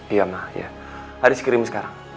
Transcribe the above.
iya ma haris kirim sekarang